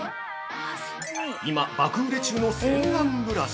◆今爆売れ中の洗顔ブラシ。